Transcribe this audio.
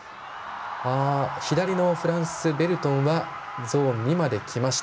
左のフランス、ベルトンはゾーン２まできました。